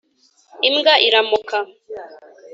imbwa iramoka